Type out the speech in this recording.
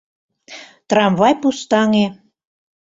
Трамвай пустаҥе.